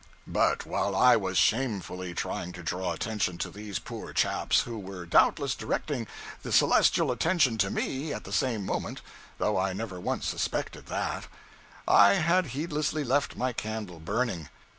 But while I was shamefully trying to draw attention to these poor chaps who were doubtless directing the celestial attention to me at the same moment, though I never once suspected that I had heedlessly left my candle burning.